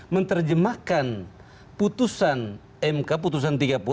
menerjemahkan putusan mk putusan tiga puluh